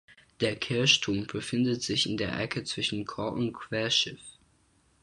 Der Kirchturm befindet sich in der Ecke zwischen Chor und Querschiff.